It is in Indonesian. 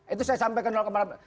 itu saya sampai ke delapan persen